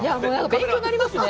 勉強になりますね。